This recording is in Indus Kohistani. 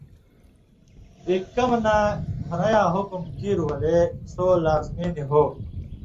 بِگ کمہۡ نہ گھُرئن٘یاں حُکم کېر ولے، سو لازمی نی ہو۔